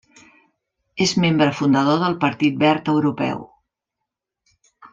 És membre fundador del Partit Verd Europeu.